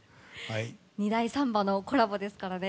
二大サンバのコラボですからね。